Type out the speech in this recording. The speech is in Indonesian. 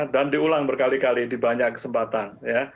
dan diulang berkali kali di banyak kesempatan